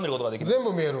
全部見える？